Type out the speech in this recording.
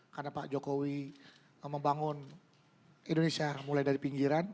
karena pak jokowi membangun indonesia mulai dari pinggiran